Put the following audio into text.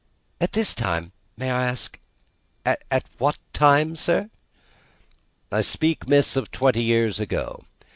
"At that time I may ask, at what time, sir?" "I speak, miss, of twenty years ago.